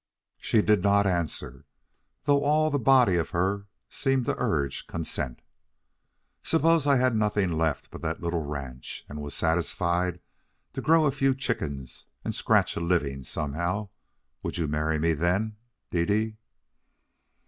She did not answer, though all the body of her seemed to urge consent. "Suppose I had nothing left but that little ranch, and was satisfied to grow a few chickens and scratch a living somehow would you marry me then, Dede?"